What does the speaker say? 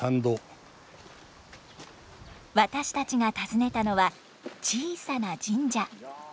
私たちが訪ねたのは小さな神社。